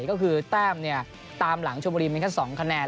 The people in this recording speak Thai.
ก็คือแต้มตามหลังชมบุรีเป็นแค่๒คะแนน